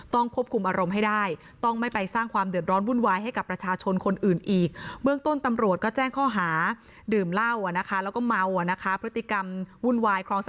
ควบคุมอารมณ์ให้ได้ต้องไม่ไปสร้างความเดือดร้อนวุ่นวายให้กับประชาชนคนอื่นอีก